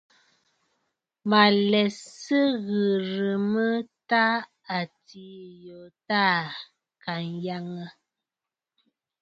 Mǝ̀ lɛ Sɨ ghirǝ mǝ tâ atiî yo tâ à Kanyaŋǝ.